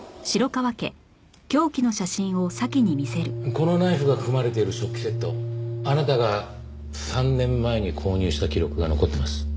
このナイフが含まれている食器セットをあなたが３年前に購入した記録が残ってます。